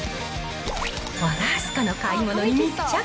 和田明日香の買い物に密着！